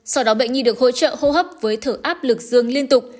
sau đó bệnh nhi được hỗ trợ hô hấp với thử áp lực dương liên tục